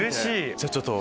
じゃあちょっと。